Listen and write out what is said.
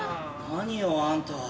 何よあんた。